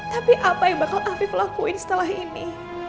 tapi apa yang akan afif lakukan setelah ini